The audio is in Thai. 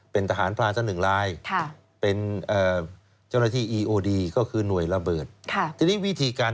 เป็นทหารพลาณสันหนึ่งราย